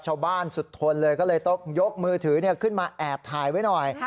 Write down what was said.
สุดทนเลยก็เลยต้องยกมือถือขึ้นมาแอบถ่ายไว้หน่อย